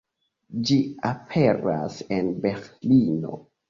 Ĝi aperas en Berlino.